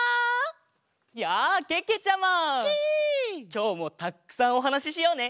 きょうもたっくさんおはなししようね！